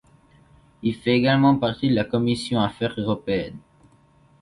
Il fait également parti de la Commission Affaires Européennes.